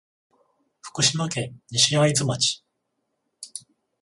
福島県西会津町